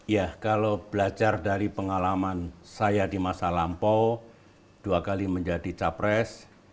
ya kalau belajar dari pengalaman saya di masa lampau dua kali menjadi capres